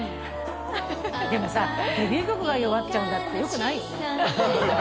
でもさ、デビュー曲が「弱っちゃうんだ」ってよくないよね。